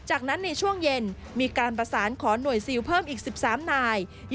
จากนั้นในช่วงเย็นมีการประสานขอหน่วยซิลเพิ่มอีก๑๓นาย